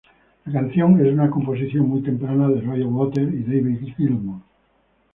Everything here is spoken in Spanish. La canción es una composición muy temprana de Roger Waters y David Gilmour.